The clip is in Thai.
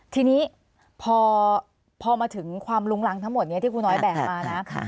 ทีนี้พอมาถึงความลุงรังทั้งหมดนี้ที่ครูน้อยแบกมานะ